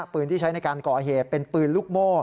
ปืนที่ใช้ในการก่อเหตุเป็นปืนลูกโม่